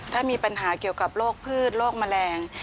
ถ้ามีปัญหาเกี่ยวกับโรคพืชโรคแมลง